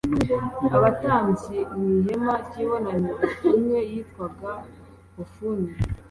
abatambyi mu ihema ry ibonaniro Umwe yitwaga Hofuni